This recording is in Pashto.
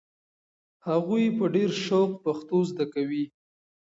هغوی په ډېر شوق پښتو زده کوي.